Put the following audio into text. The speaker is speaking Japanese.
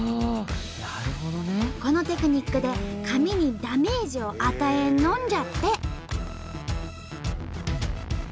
このテクニックで紙にダメージを与えんのんじゃって。